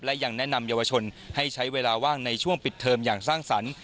และยังแนะนำเยาวชนให้ใช้เวลาว่างในช่วงปิดเทิมอย่างสร้างสรรค์